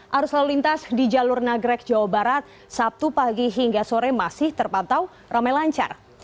arus lalu lintas di jalur nagrek jawa barat sabtu pagi hingga sore masih terpantau ramai lancar